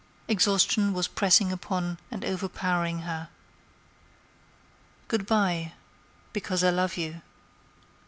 Exhaustion was pressing upon and overpowering her. "Good by—because I love you."